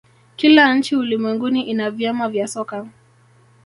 kila nchi ulimwenguni ina vyama vya soka